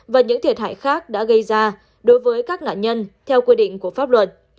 và những thiệt hại khác đã gây ra đối với các nạn nhân theo quy định của pháp luật